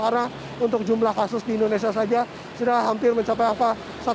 karena untuk jumlah kasus di indonesia saja sudah hampir mencapai apa